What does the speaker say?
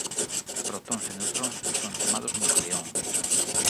Protóns e neutróns son chamados nucleóns.